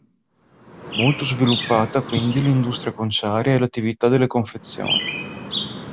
Molto sviluppata quindi l'industria conciaria e l'attività delle confezioni.